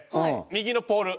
右のポール。